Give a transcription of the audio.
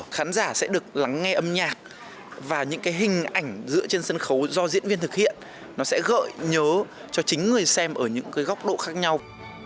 khán giả sẽ được lắng nghe âm nhạc và những cái hình ảnh giữa trên sân khấu do diễn viên thực hiện nó sẽ gợi nhớ cho chính người xem ở những cái góc độ khác nhau